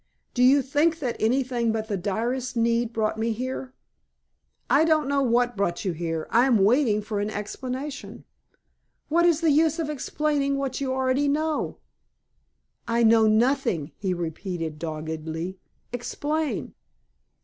"Do you think that anything but the direst need brought me here?" "I don't know what brought you here. I am waiting for an explanation." "What is the use of explaining what you already know?" "I know nothing," he repeated doggedly. "Explain."